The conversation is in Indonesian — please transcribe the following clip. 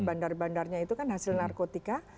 bandar bandarnya itu kan hasil narkotika